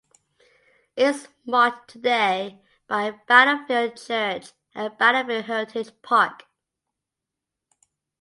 It is marked today by Battlefield Church and Battlefield Heritage Park.